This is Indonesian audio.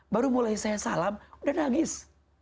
baru mulai saya salam udah nangis